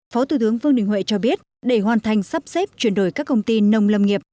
phó thủ tướng vương đình huệ cho biết để hoàn thành sắp xếp chuyển đổi các công ty nông lâm nghiệp